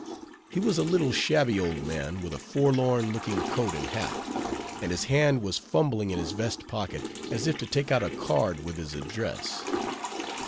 He was a little, shabby, old man, with a forlorn looking coat and hat; and his hand was fumbling in his vest pocket, as if to take out a card with his address.